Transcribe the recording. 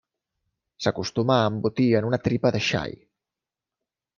S'acostuma a embotir en una tripa de xai.